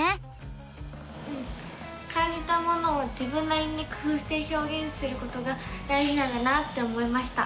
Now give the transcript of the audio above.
うん感じたものを自分なりに工ふうしてひょうげんすることが大じなんだなって思いました！